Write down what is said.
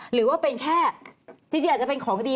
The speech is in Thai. หรือว่าเป็นแค่จริงอาจจะเป็นของดี